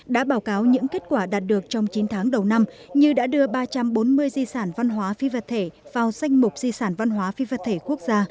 đã báo cáo những kết quả đạt được trong chín tháng đầu năm như đã đưa ba trăm bốn mươi di sản văn hóa phi vật thể vào danh mục di sản văn hóa phi vật thể quốc gia